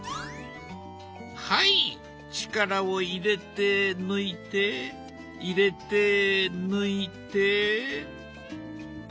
はい力を入れて抜いて入れて抜いて。